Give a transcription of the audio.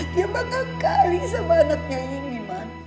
dia bangga kali sama anaknya ini man